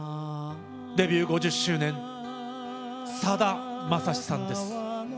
デビュー５０周年さだまさしさんです。